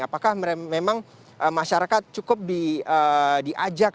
apakah memang masyarakat cukup diajak